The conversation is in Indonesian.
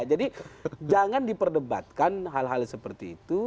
jadi jangan diperdebatkan hal hal seperti itu